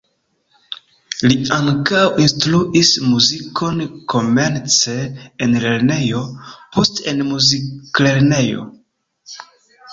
Li ankaŭ instruis muzikon komence en lernejo, poste en muziklernejo.